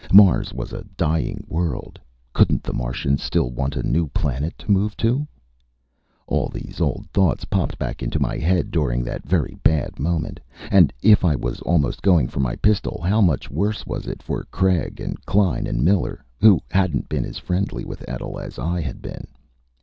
Mars was a dying world. Couldn't the Martians still want a new planet to move to? All these old thoughts popped back into my head during that very bad moment. And if I was almost going for my pistol, how much worse was it for Craig, Klein and Miller, who hadn't been as friendly with Etl as I had been?